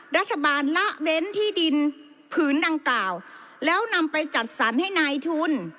ละเว้นที่ดินผืนดังกล่าวแล้วนำไปจัดสรรให้นายทุน